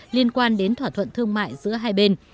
liên quan đến thỏa thuận thương mại giữa hai bên